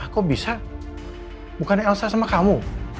kok bisa bukan elsa sama kamu